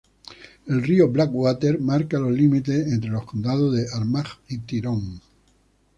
El río Blackwater marca los límites entre los condados de Armagh y Tyrone.